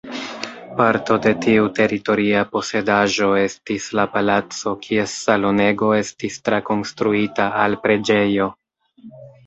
Parto de tiu teritoria posedaĵo estis la palaco kies salonego estis trakonstruita al preĝejo.